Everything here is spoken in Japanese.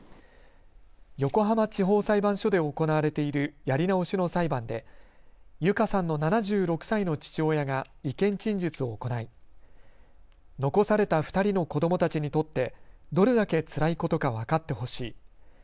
横浜地方裁判所で行われているやり直しの裁判で友香さんの７６歳の父親が意見陳述を行い残された２人の子どもたちにとってどれだけつらいことか分かってほしい。